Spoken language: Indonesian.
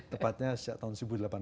tepatnya sejak tahun seribu delapan ratus